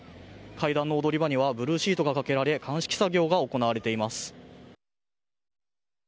階段の踊り場にはブルーシートがかけられ鑑識作業が行われています。